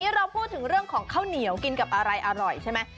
เราพูดถึงเรื่องของข้าวเหนียวกินกับอะไรอร่อยใช่ไหม